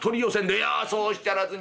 「いやそうおっしゃらずに。